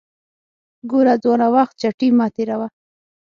ګوره ځوانه وخت چټي مه تیروه